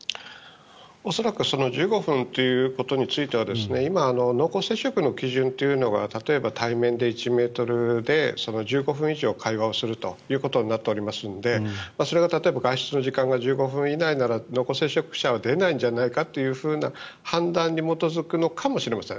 恐らくは１５分ということについては今、濃厚接触の基準というのが例えば、対面で１ｍで１５分以上会話をするということになっておりますのでそれが例えば外出の時間が１５分以内なら濃厚接触者は出ないんじゃないかという判断に基づくのかもしれません。